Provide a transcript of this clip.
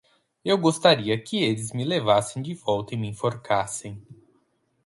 Eu gostaria que eles me levassem de volta e me enforcassem.